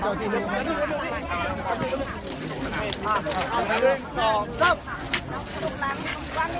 ก็ไม่มีใครกลับมาเมื่อเวลาอาทิตย์เกิดขึ้น